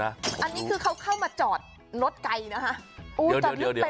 อันนี้คือเขาเข้ามาจอดรถไกลนะคะ